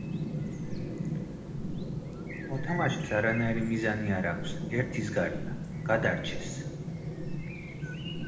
მოთამაშეს არანაირი მიზანი არ აქვს ერთის გარდა, გადარჩეს.